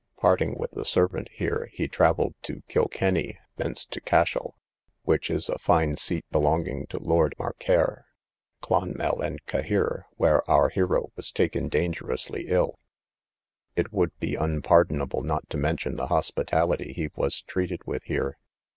Parting with the servant here, he travelled to Kilkenny; thence to Cashel, (where is a fine seat belonging to Lord Mark Ker,) Clonmel, and Cahir, where our hero was taken dangerously ill. It would be unpardonable not to mention the hospitality he was treated with here.